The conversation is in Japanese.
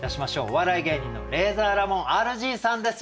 お笑い芸人のレイザーラモンＲＧさんです。